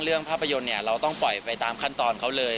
ภาพยนตร์เนี่ยเราต้องปล่อยไปตามขั้นตอนเขาเลย